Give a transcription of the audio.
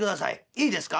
いいですか。